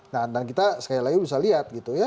nah dan kita sekali lagi bisa lihat